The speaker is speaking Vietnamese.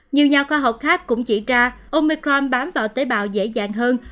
nhiều nhà khoa học khác cũng chỉ ra omecron bám vào tế bào dễ dàng hơn